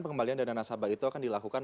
pengembalian dana nasabah itu akan dilakukan